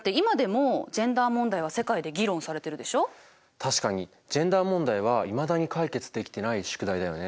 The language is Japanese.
確かにジェンダー問題はいまだに解決できてない宿題だよね。